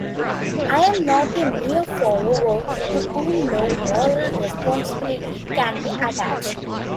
I am not a mere follower to whom no moral responsibility can be attached.